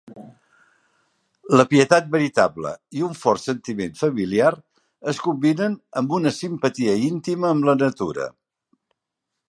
La pietat veritable i un fort sentiment familiar es combinen amb una simpatia íntima amb la natura.